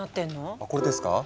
あこれですか？